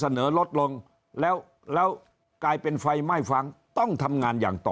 เสนอลดลงแล้วแล้วกลายเป็นไฟไหม้ฟังต้องทำงานอย่างต่อ